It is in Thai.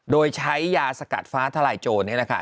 โดยใช้ยาสกัดฟ้าทลายโจรนี่แหละค่ะ